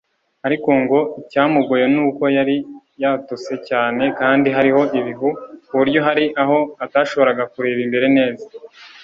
Ariko ngo icyamugoye ni uko yari yatose cyane kandi hariho ibihu kuburyo hari aho atashoboraga kureba imbere neza